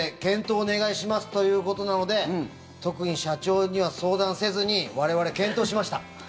お願いしますということなので特に社長には相談せずに我々、検討しました。